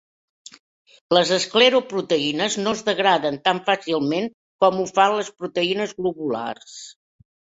Les escleroproteïnes no es degraden tan fàcilment com ho fan les proteïnes globulars.